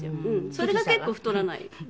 それが結構太らないです。